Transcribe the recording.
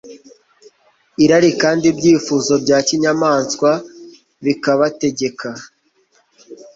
irari kandi ibyifuzo bya kinyamaswa bikabategeka